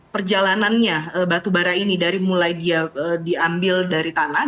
perjalanannya batubara ini mulai diambil dari tanah